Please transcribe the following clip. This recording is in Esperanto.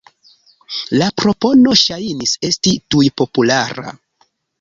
La propono ŝajnis esti tuj populara.